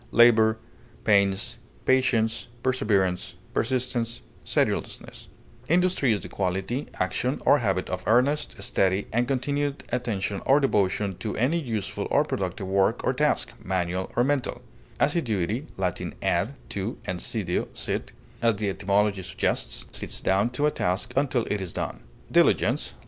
attention, exertion, patience, constancy, intentness, perseverance, Industry is the quality, action, or habit of earnest, steady, and continued attention or devotion to any useful or productive work or task, manual or mental. Assiduity (L. ad, to, and sedeo, sit), as the etymology suggests, sits down to a task until it is done. Diligence (L.